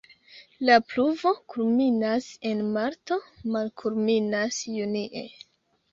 La pluvo kulminas en marto, malkulminas junie.